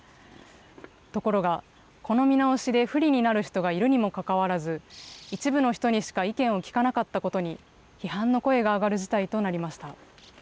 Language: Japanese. ところが、この見直しで不利になる人がいるにもかかわらず、一部の人にしか意見を聞かなかったことに、批判の声が上がる事態となりました。